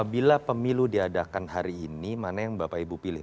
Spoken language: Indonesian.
yang mana yang bisa dilakukan hari ini mana yang bapak ibu pilih